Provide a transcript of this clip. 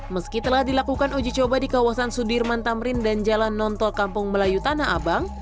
meski telah dilakukan uji coba di kawasan sudirman tamrin dan jalan nontol kampung melayu tanah abang